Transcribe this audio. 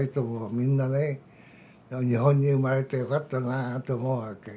みんなね日本に生まれてよかったなと思うわけ。